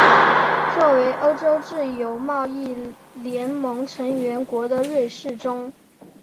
作为欧洲自由贸易联盟成员国的瑞士中。